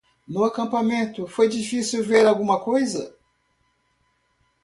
No acampamento? foi difícil ver alguma coisa.